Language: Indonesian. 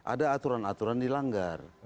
ada aturan aturan dilanggar